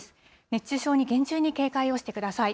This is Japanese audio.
熱中症に厳重に警戒をしてください。